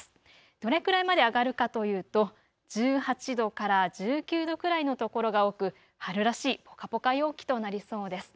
どれくらいまで上がるかというと１８度から１９度くらいの所が多く春らしいぽかぽか陽気となりそうです。